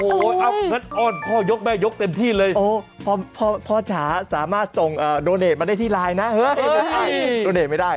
โอ้โหนัดอ้อนพ่อยกแม่ยกเต็มที่เลยพ่อชาสามารถส่งโดเนตมาได้ที่ไลน์นะโดเนตไม่ได้